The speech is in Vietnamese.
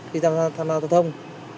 khi tham gia giao thông